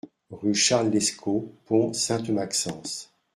Rue Charles Lescot, Pont-Sainte-Maxence